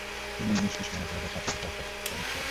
তিনি women's Christian কলেজের ছাত্রী ব্যবস্থাপক সভার সভাপতি।